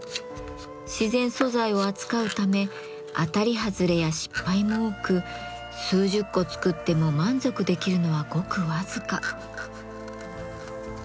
自然素材を扱うため当たり外れや失敗も多く数十個作っても満足できるのはごく僅か。